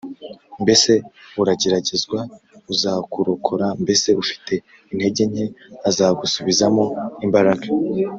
mbese urageragezwa? azakurokora mbese ufite intege nke? azagusubizamo imbaraga